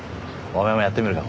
お前もやってみるか？